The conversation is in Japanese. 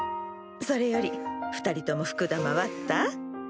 それより２人とも福玉割った？